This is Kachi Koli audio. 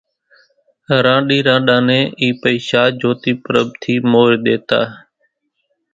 رانڏي رانڏان نين اِي پئيشا جھوتي پرٻ ٿي مورِ ۮيتا،